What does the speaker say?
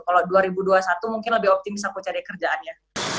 kalau dua ribu dua puluh satu mungkin lebih optimis aku cari kerjaannya